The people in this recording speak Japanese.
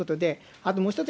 あともう一つ